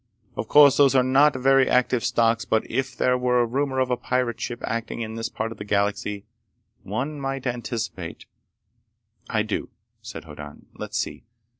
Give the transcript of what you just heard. Of course those are not very active stocks, but if there were a rumor of a pirate ship acting in this part of the galaxy, one might anticipate—" "I do," said Hoddan. "Let's see.